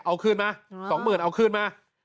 เอาขึ้นมา๒๐๐๐๐เอาขึ้นมา